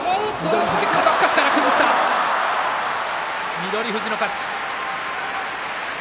翠富士の勝ち。